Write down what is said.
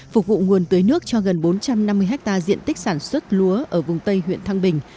phục vụ nguồn tưới nước cho gần bốn trăm năm mươi hectare diện tích sản xuất lúa ở vùng tây huyện thăng bình